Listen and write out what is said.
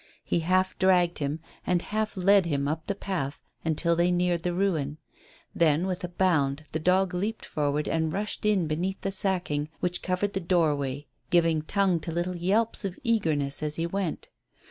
He half dragged him and half led him up the path until they neared the ruin. Then with a bound the dog leapt forward and rushed in beneath the sacking which covered the doorway, giving tongue to little yelps of eagerness as he went.